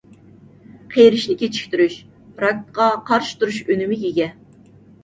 قېرىشنى كېچىكتۈرۈش، راكقا قارشى تۇرۇش ئۈنۈمىگە ئىگە.